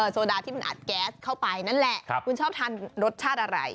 โซดาที่มันอัดแก๊สเข้าไปนั่นแหละคุณชอบทานรสชาติอะไร